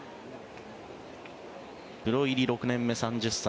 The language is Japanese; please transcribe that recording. プロ入り６年目、３０歳。